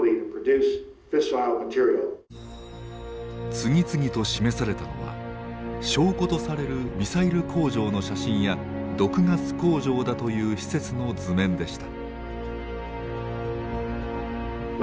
次々と示されたのは証拠とされるミサイル工場の写真や毒ガス工場だという施設の図面でした。